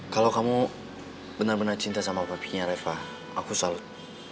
kalau kamu bener bener cinta sama bapaknya reva aku salut